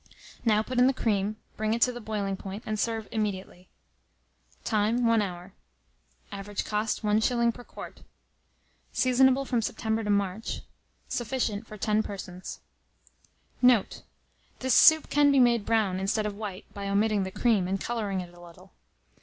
Now put in the cream, bring it to the boiling point, and serve immediately. Time. 1 hour. Average cost, 1s. per quart. Seasonable from September to March. Sufficient for 10 persons. Note. This soup can be made brown, instead of white, by omitting the cream, and colouring it a little.